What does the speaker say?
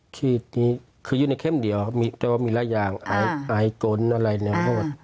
ฉีดนี้คือยู่ในเข้มเดียวมีละยางไอกลอะไรเนี่ย